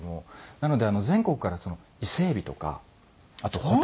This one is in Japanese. なので全国から伊勢エビとかあとホタテ。